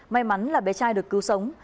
may mắn là bé trai được cứu sống